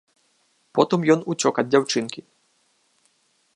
Потым ён уцёк ад дзяўчынкі.